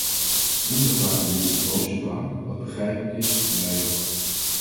Woensdag waren de mensen boos en bang, wat begrijpelijk is, en wij ook.